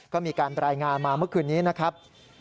ก็มีการรายงานมาเมื่อคืนนี้นะครับ